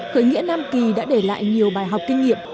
khởi nghĩa nam kỳ đã để lại nhiều bài học kinh nghiệm